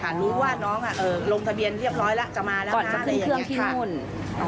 ใช่ค่ะรู้ว่าน้องลงทะเบียนเรียบร้อยแล้วจะมาแล้วอย่างนี้ค่ะ